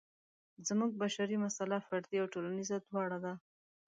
زموږ بشري مساله فردي او ټولنیزه دواړه ده.